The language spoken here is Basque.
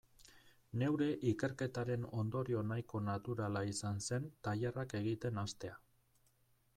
Neure ikerketaren ondorio nahiko naturala izan zen tailerrak egiten hastea.